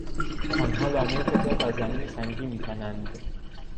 آنها لانهی خود را در زمین سنگی میکنند.